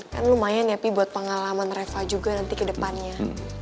kan lumayan ya pi buat pengalaman reva juga nanti ke depannya